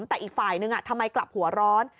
แต่อีกฝ่ายนึงทำไมกลับหัวร้อน